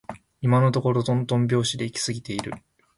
今のところとんとん拍子で行き過ぎている